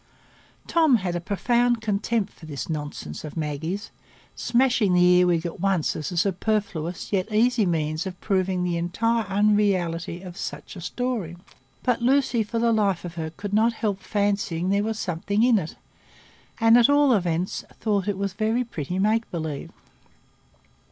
Tom had a profound contempt for this nonsense of Maggie's, smashing the earwig at once as a superfluous yet easy means of proving the entire unreality of such a story; but Lucy, for the life of her, could not help fancying there was something in it, and at all events thought it was very pretty make believe.